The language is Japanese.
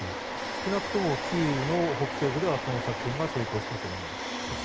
少なくともキーウの北西部ではその作戦が成功したと思います。